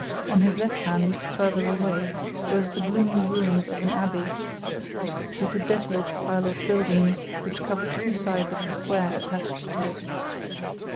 On his left hand, further away, rose the gloomy ruins of an abbey, with a desolate pile of buildings, which covered two sides of a square attached to it.